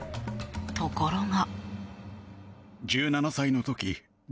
ところが。